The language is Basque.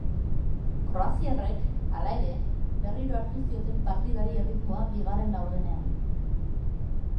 Kroaziarrek, hala ere, berriro hartu zioten partidari erritmoa bigarren laurdenean.